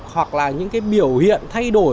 hoặc là những biểu hiện thay đổi